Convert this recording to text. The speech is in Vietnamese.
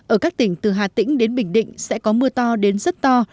ở các tỉnh từ hà tĩnh đến bình định sẽ có mưa to đến rất to